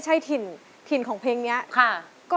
สวัสดีครับ